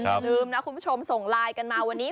อย่าลืมนะคุณผู้ชมส่งไลน์กันมาวันนี้